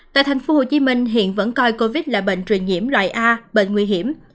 tại tp hcm hiện vẫn coi covid là bệnh truyền nhiễm loại a bệnh nguy hiểm